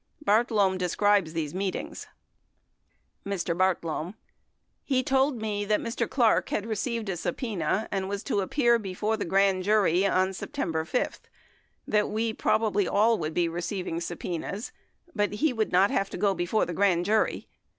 Bartlome describes these meetings: Mr. Bartlome. He told me that Mr. Clark had received a subpena and was to appear before the grand jury on Septem ber 5 ; that we probably all would be receiving subpenas, but we would not have to go before the grand jury.